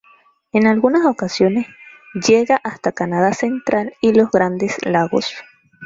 En algunas ocasiones llega hasta Canadá central y los grandes lagos.